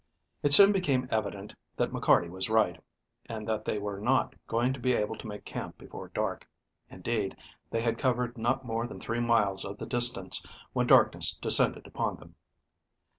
It soon became evident that McCarty was right, and that they were not going to be able to make camp before dark. Indeed, they had covered not more than three miles of the distance when darkness descended upon them.